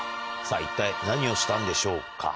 一体何をしたんでしょうか？